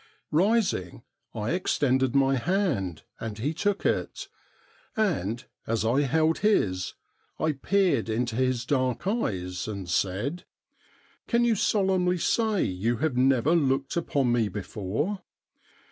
Eising, I extended my hand, and he took it ; and, as I held his, I peered into his dark eyes, and said :' Can you solemnly say you have never looked upon me before